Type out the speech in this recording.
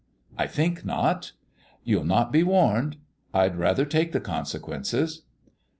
" I think not." " You'll not be warned ?"" I'd rather take the consequences."